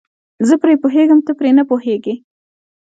زه پرې پوهېږم ته پرې نه پوهیږې.